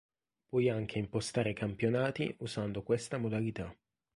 Puoi anche impostare campionati usando questa modalità.